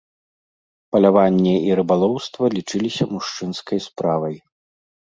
Паляванне і рыбалоўства лічыліся мужчынскай справай.